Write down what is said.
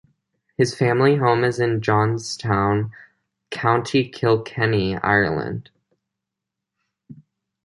His family home is in Johnstown, County Kilkenny, Ireland.